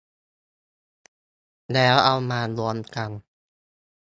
แล้วเอามารวมกัน